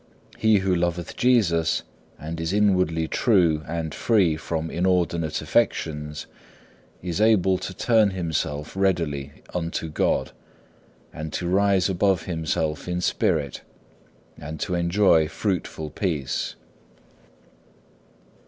He who loveth Jesus, and is inwardly true and free from inordinate affections, is able to turn himself readily unto God, and to rise above himself in spirit, and to enjoy fruitful peace.